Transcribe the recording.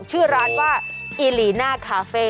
ชื่อร้านว่าอีหลีน่าคาเฟ่